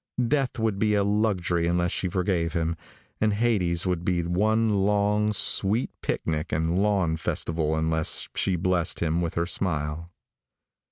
Death would be a luxury unless she forgave him, and Hades would be one long, sweet picnic and lawn festival unless she blessed him with her smile.